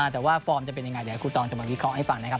แต่ว่าฟอร์มจะเป็นยังไงเดี๋ยวครูตองจะมาวิเคราะห์ให้ฟังนะครับ